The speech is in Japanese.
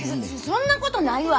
そそんなことないわ！